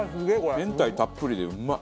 明太たっぷりでうまい！